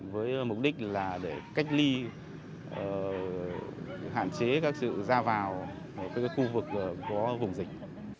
với mục đích là để cách ly hạn chế các sự giao dịch